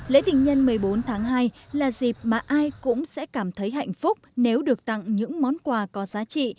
lễ tình nhân một mươi bốn tháng hai là dịp mà ai cũng sẽ cảm thấy hạnh phúc nếu được tặng những món quà có giá trị